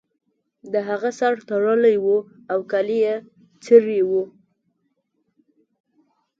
د هغه سر تړلی و او کالي یې څیرې وو